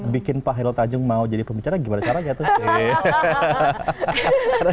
bikin pak hairul tanjung mau jadi pembicara gimana caranya tuh